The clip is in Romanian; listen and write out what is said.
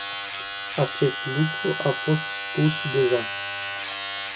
Acest lucru a fost spus deja.